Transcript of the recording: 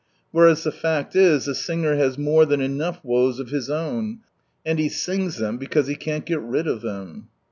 Whereas the fact is, the singer has more than enough woes of his own, and he sings them because he can't get rid of them.